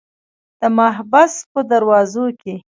د محبس په دروازو کې.